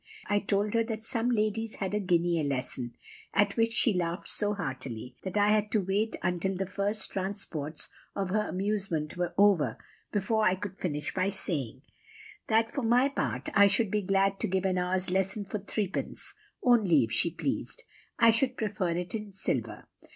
I told her that some ladies had a guinea a lesson; at which she laughed so heartily, that I had to wait until the first transports of her amusement were over before I could finish by saying, that for my part I should be glad to give an hour's lesson for threepence, only, if she pleased, I should prefer it in silver.